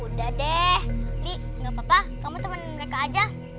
udah deh li gapapa kamu temen mereka aja